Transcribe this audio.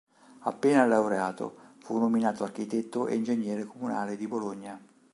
Appena laureato fu nominato architetto e ingegnere comunale di Bologna.